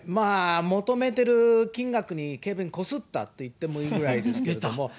求めてる金額にケビンこすったって言っていいぐらいですけれども。